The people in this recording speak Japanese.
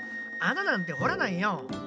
あななんてほらないよ。